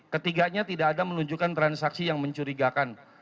ketiganya tidak ada menunjukkan transaksi yang mencurigakan